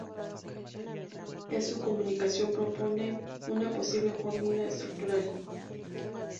En su comunicación propone una posible fórmula estructural.